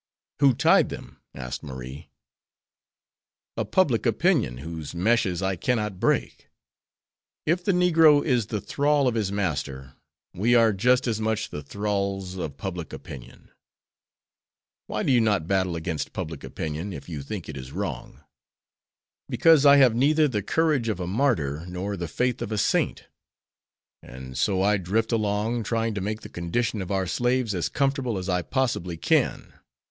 "Who tied them?" asked Marie. "A public opinion, whose meshes I cannot break. If the negro is the thrall of his master, we are just as much the thralls of public opinion." "Why do you not battle against public opinion, if you think it is wrong?" "Because I have neither the courage of a martyr, nor the faith of a saint; and so I drift along, trying to make the condition of our slaves as comfortable as I possibly can.